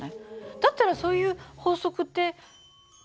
だったらそういう法則って意味あるの？